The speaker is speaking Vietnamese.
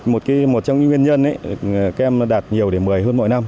một trong những nguyên nhân các em đạt nhiều để một mươi hơn mỗi năm